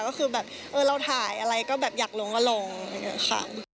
ก็คือแบบเราถ่ายอะไรก็แบบอยากลงก็ลงค่ะ